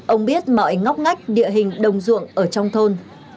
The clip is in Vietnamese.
ông biết mọi ngóc ngách địa hình đồng ruộng ở trong thôn